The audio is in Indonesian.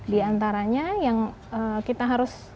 diantaranya yang kita harus